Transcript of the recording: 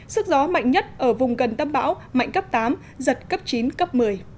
sức gió mạnh nhất ở vùng gần tâm bão mạnh cấp tám giật cấp chín cấp một mươi